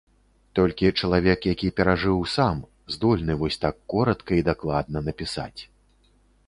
Толькі чалавек, які перажыў сам, здольны вось так коратка і дакладна напісаць.